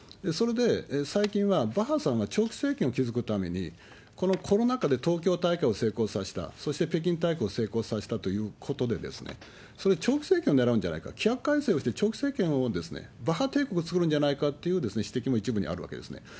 それで最近はバッハさんが長期政権を築くために、このコロナ禍で東京大会を成功させた、そして北京大会を成功させたということで、それ、長期政権をねらうんじゃないか、規約改正をして長期政権を、バッハ帝国を作るんじゃないかという指摘も一部にあるわけですね。